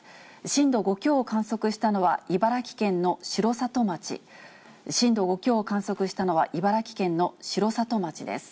震度５強を観測したのは茨城県の城里町、震度５強を観測したのは茨城県の城里町です。